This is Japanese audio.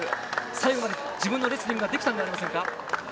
最後まで自分のレスリングができたんじゃないですか。